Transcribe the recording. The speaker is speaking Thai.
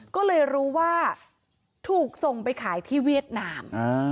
ก็เลยรู้ว่าถูกส่งไปขายที่เวียดนาม